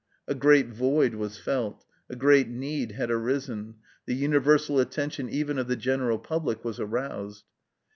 A great void was felt; a great need had arisen; the universal attention even of the general public was aroused.